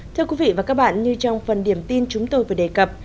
thưa quý vị và các bạn như trong phần điểm tin chúng tôi vừa đề cập